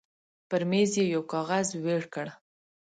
پر مېز يې يو کاغذ وېړ کړ.